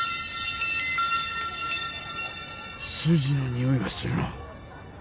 数字のにおいがするな。